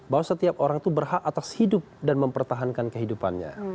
bahwa setiap orang itu berhak atas hidup dan mempertahankan kehidupannya